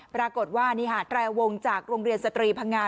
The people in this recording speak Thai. ปรากฏว่านี่หาดแตรวงจากโรงเรียนสตรีพังงา